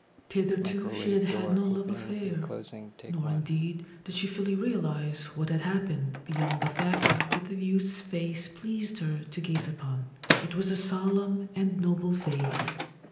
Thitherto she had had no love affair ; nor, indeed, did she fully realise what had happened, beyond the fact that the youth's face pleased her to gaze upon. It was a solemn and noble face.